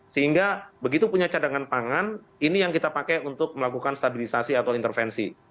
sehingga begitu punya cadangan pangan ini yang kita pakai untuk melakukan stabilisasi atau intervensi